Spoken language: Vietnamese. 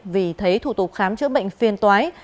vì thấy thủ tục khám chữa bệnh phiên toái